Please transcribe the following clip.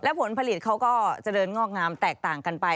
แล้วผลผลิตเขาก็จะเดินงอกงามแตกต่างกันไป